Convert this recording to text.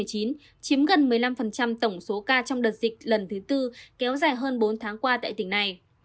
chiếm gần một mươi năm tổng số ca trong đợt dịch lần thứ tư kéo dài hơn bốn tháng qua tại tỉnh này